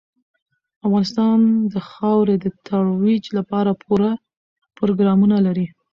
افغانستان د خاورې د ترویج لپاره پوره پروګرامونه لري.